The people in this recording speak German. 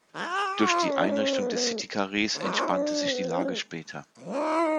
Durch die Einrichtung des City-Karrees entspannte sich die Lage später.